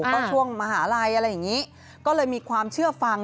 ก็ช่วงมหาลัยอะไรอย่างนี้ก็เลยมีความเชื่อฟัง